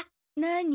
何？